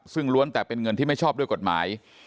ซึ่งล้วนแต่เป็นเงินที่ไม่ชอบด้วยกฎหมาย